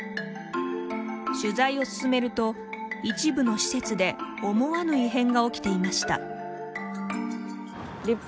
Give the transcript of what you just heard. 取材を進めると一部の施設で思わぬ異変が起きていました。